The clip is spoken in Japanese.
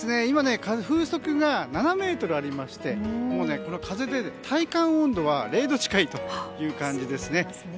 今、風速が７メートルありまして風で体感温度は０度近いという感じですね。